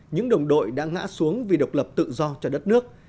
những đồng đội đã ngã xuống vì độc lập tự do cho đất nước